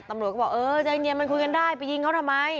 ตำรวจก็บอกเออใจเย็นมันคุยกันได้ไปยิงเขาทำไม